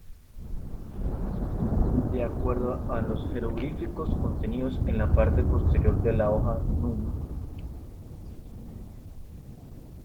De acuerdo a los jeroglíficos contenidos en la parte posterior de la hoja núm.